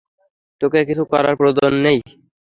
তোকে কিছু করার প্রয়োজন নেই।